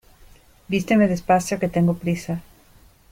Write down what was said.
Vísteme despacio, que tengo prisa.